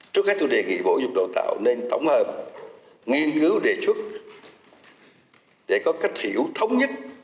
trước hết tôi đề nghị bộ dục đào tạo nên tổng hợp nghiên cứu đề xuất để có cách hiểu thống nhất